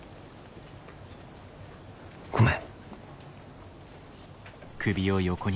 ごめん。